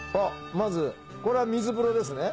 まずこれは水風呂ですね。